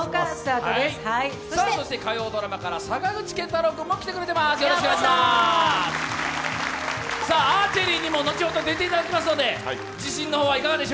そして火曜ドラマから坂口健太郎君も来ていただいております。